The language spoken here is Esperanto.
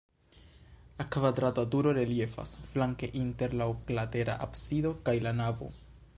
La kvadrata turo reliefas flanke inter la oklatera absido kaj la navo.